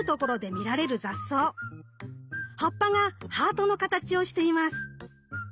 葉っぱがハートの形をしています。